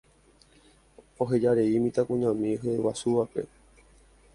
Ohejarei mitãkuñami hyeguasúvape.